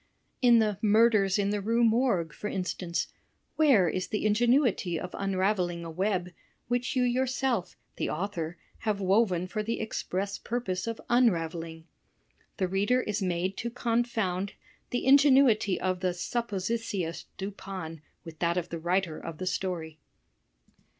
In the 'Murders in the Rue Morgue,' for instance, where is the ingenuity of imraveling a web which you yourself (the author) have woven for the express purpose of imraveling? The reader is made to confound the ingenuity of the supposititious Dupin with that of the writer of the story."